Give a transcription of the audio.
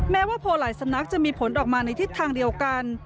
แม้ว่าโพลหลายสำนักจะมีผลออกมาในทิศทางเดียวกัน